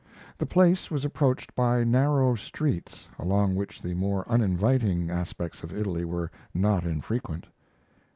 The place was approached by narrow streets, along which the more uninviting aspects of Italy were not infrequent.